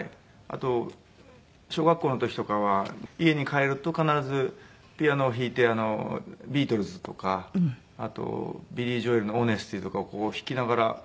あと小学校の時とかは家に帰ると必ずピアノを弾いてビートルズとかあとビリー・ジョエルの『Ｈｏｎｅｓｔｙ』とかを弾きながら。